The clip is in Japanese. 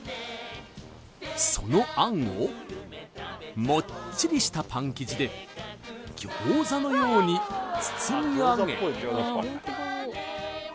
そのあんをもっちりしたパン生地で餃子のように包みあげ